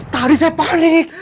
tadi saya panik